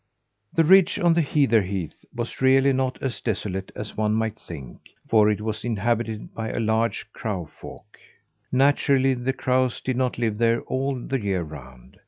The ridge on the heather heath was really not as desolate as one might think, for it was inhabited by a large crow folk. Naturally, the crows did not live there all the year round.